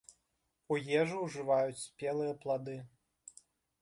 У ежу ўжываюць спелыя плады.